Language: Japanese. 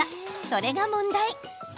それが問題。